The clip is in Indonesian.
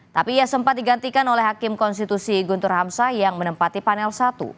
tapi ia sempat digantikan oleh hakim konstitusi guntur hamzah yang menempati panel satu